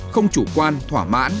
không chủ quan thỏa mãn